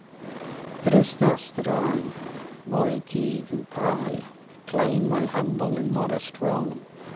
It is thus that I, moi qui vous parle, claim my humble and modest role.